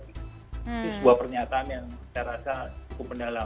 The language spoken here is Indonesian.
itu sebuah pernyataan yang saya rasa cukup mendalam